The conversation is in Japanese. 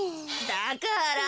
だから。